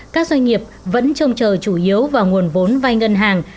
các doanh nghiệp vẫn trông chờ chủ yếu vào nguồn vốn vai ngân hàng